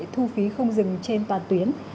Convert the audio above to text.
thu phí không dừng trên toàn tuyến